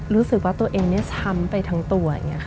รู้สึกว่าตัวเองช้ำไปทั้งตัว